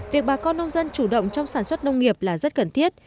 việc bà con nông dân chủ động trong sản xuất nông nghiệp là rất cần thiết